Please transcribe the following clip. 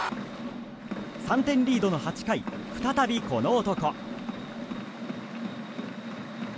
３点リードの８回再び、この男。